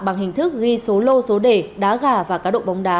bằng hình thức ghi số lô số đề đá gà và cá độ bóng đá